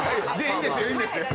いいんですよいいんですよ。